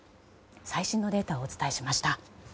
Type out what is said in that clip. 最新のデータをお伝えしました。